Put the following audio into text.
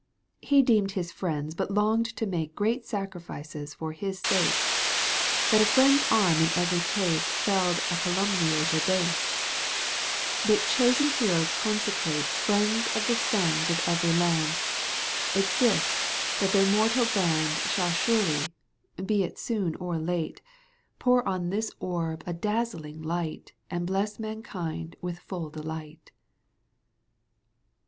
He deemed his friends but longed to make Great sacrifices for his sake ! That a friend's arm in every case Felled a calumniator base ! That chosen heroes consecrate, Digitized by VjOOQ IC 42 EUGENE ON^GUINE. canto ii. Friends of the sons of every land', Exist — that their immortal band Shall surely, be it soon or late, Pour on this orb a dazzling light • And bless mankind with full delight.